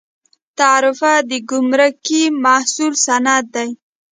تعرفه د ګمرکي محصول سند دی